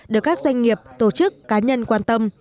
được các doanh nghiệp tổ chức cá nhân quan tâm